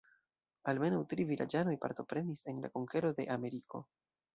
Almenaŭ tri vilaĝanoj partoprenis en la konkero de Ameriko.